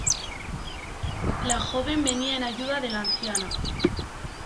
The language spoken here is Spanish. La joven venía en ayuda de la anciana.